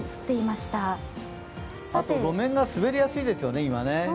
あと路面が滑りやすいですよね、今。